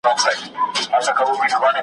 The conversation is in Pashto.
لکه سوی لکه هوسۍ، دی هم واښه خوري .